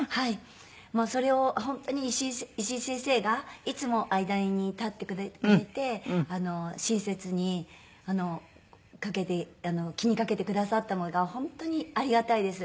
もうそれを本当に石井先生がいつも間に立ってくれていて親切に気にかけてくださったのが本当にありがたいです。